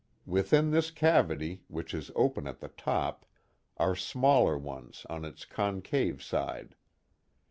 Within this cavity, which is open at the top, are smaller ones on its concave side.